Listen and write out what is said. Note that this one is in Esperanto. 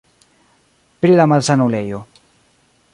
Pri la malsanulejo.